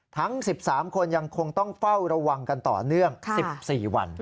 ทั้ง๑๓คนยังคงต้องเฝ้าระวังกันต่อเนื่อง๑๔วัน